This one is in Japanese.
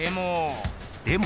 でも。